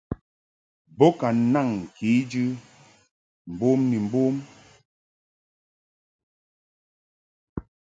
Bo ka naŋ kejɨ mbom ni mbom.